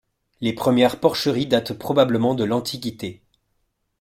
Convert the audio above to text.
Les premières porcheries datent probablement de l'antiquité.